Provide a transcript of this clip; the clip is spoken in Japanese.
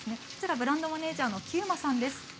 ブランドマネージャーの久間さんです。